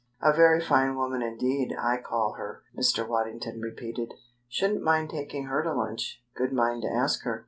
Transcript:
"A very fine woman indeed, I call her," Mr. Waddington repeated. "Shouldn't mind taking her to lunch. Good mind to ask her."